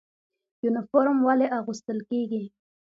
یونفورم ولې اغوستل کیږي؟